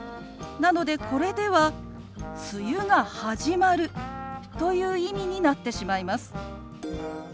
なのでこれでは「梅雨が始まる」という意味になってしまいます。